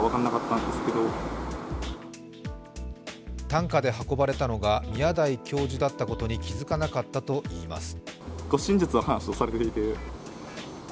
担架で運ばれたのが宮台教授だったことに気づかなかったといいます。